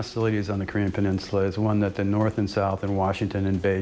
เพราะฉะนั้นภาพที่สุดท้ายที่ทุกคนจะบอก